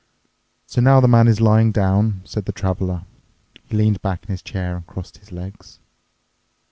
"So now the man is lying down," said the Traveler. He leaned back in his chair and crossed his legs.